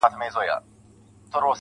ه ياره په ژړا نه کيږي~